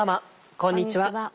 こんにちは。